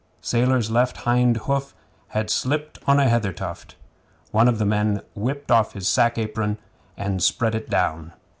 Sailor's left hind hoof had slipped on a heather tuft. One of the men whipped off his sack apron and spread it down.